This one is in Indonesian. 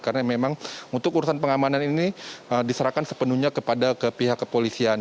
karena memang untuk urusan pengamanan ini diserahkan sepenuhnya kepada pihak kepolisian